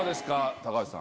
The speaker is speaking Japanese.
高橋さん。